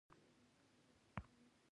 هغې وويل يو مړی موندل شوی دی.